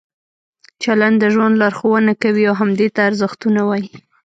چلند د ژوند لارښوونه کوي او همدې ته ارزښتونه وایي.